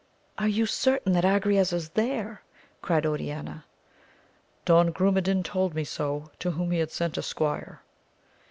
Are you certain that Agrayes is there ? cried Oriana. — Don Grumedan told me so, to whom he had sent a squire.